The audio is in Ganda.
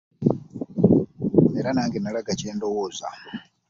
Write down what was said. Era nange nalaga kyendowooza .